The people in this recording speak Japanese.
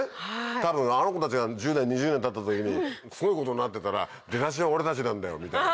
多分あの子たちが１０年２０年たった時にすごいことになってたら出だしは俺たちなんだよみたいなさ。